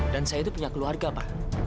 dan saya itu punya keluarga pak